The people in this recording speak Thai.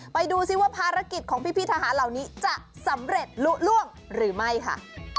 ไปดูซิว่าภารกิจของพี่ทหารเหล่านี้จะสำเร็จลุล่วงหรือไม่ค่ะ